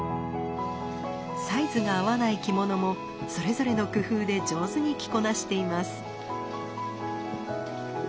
サイズが合わない着物もそれぞれの工夫で上手に着こなしています。